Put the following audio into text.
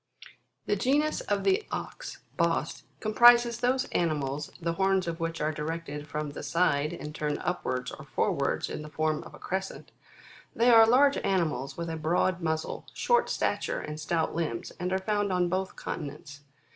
The genus of the Ox, Bos, comprises those animals, the horns of which are directed from the side, and turn upwards or forwards in the form of a crescent; they are large animals with a broad muzzle, short stature, and stout limbs, and are found on both continents.